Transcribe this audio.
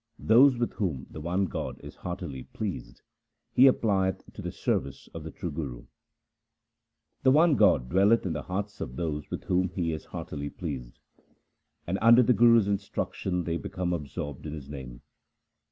Those with whom the one God is heartily pleased, He applieth to the service of the true Guru. 184 THE SIKH RELIGION The one God dwelleth in the hearts of those with whom He is heartily pleased ; And under the Guru's instruction they become absorbed in His name.